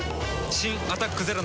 新「アタックＺＥＲＯ」